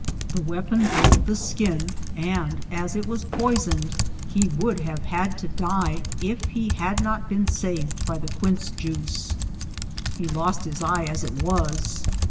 The weapon broke the skin and, as it was poisoned, be would have had to die if he had not oeen saved by the quince juice ; he lost his eye as it was.